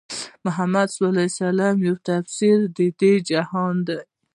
محمدص چې يو تفسير د دې جهان دی